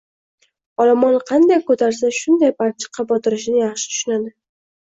Olomon qanday ko‘tarsa shunday balchiqqa botirishini yaxshi tushunadi.